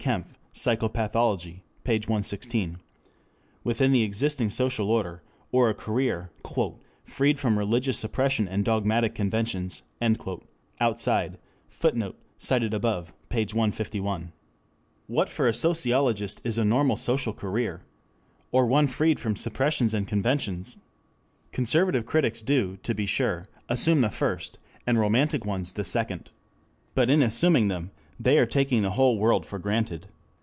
Kempf, Psychopathology, p. 116.] within the existing social order, or a career "freed from religious suppression and dogmatic conventions" outside. [Footnote: Id., p. 151.] What for a sociologist is a normal social career? Or one freed from suppressions and conventions? Conservative critics do, to be sure, assume the first, and romantic ones the second. But in assuming them they are taking the whole world for granted.